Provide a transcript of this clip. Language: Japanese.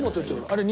あれ